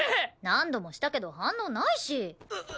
何度もしたけど反応ないし。